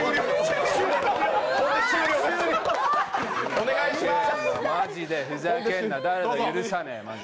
お願いします。